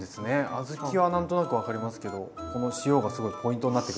小豆は何となく分かりますけどこの塩がすごいポイントになってくるんですね。